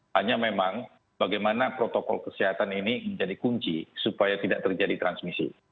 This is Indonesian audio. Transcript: hanya memang bagaimana protokol kesehatan ini menjadi kunci supaya tidak terjadi transmisi